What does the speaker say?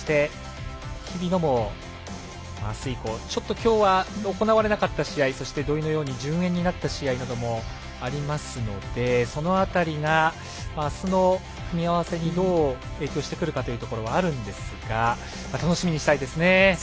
日比野もあす以降きょうは、行われなかった試合そして、土居のように順延になった試合などもありますのでその辺りが、あすの組み合わせにどう影響してくるかはあるんですが楽しみにしたいですね。